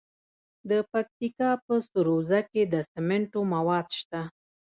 د پکتیکا په سروضه کې د سمنټو مواد شته.